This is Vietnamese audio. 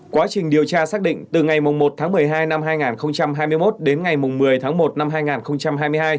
quá trình điều tra xác định từ ngày một tháng một mươi hai năm hai nghìn hai mươi một đến ngày một mươi tháng một năm hai nghìn hai mươi hai